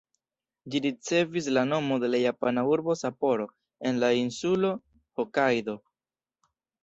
Ĝi ricevis la nomo de la japana urbo Sapporo, en la insulo Hokajdo.